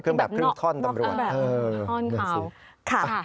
เครื่องแบบครึ่งท่อนตำรวจนะครับแบบท่อนขาวค่ะ